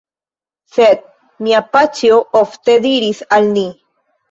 Sed mia paĉjo ofte diris al ni: